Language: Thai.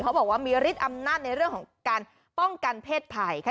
เขาบอกว่ามีฤทธิ์อำนาจในเรื่องของการป้องกันเพศภัยค่ะ